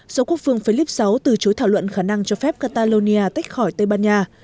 do quốc phương philip vi từ chối thảo luận khả năng cho phép catalonia tách khỏi tây ban nha